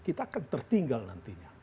kita akan tertinggal nantinya